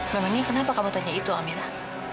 memangnya kenapa kamu tanya itu amira